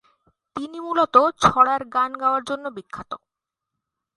তিনি মূলত ছড়ার গান গাওয়ার জন্য বিখ্যাত।